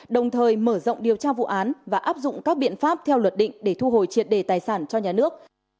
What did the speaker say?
đồng thời mở rộng điều tra vụ án và áp dụng các biện pháp theo luật định để thu hồi triệt đề tài sản cho nhà nước